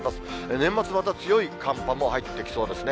年末、また強い寒波も入ってきそうですね。